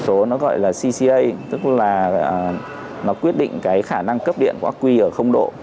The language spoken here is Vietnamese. đó nó gọi là cca tức là nó quyết định cái khả năng cấp điện của ác quy ở không độ